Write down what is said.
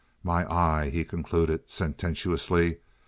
"My eye!" he concluded, sententiously.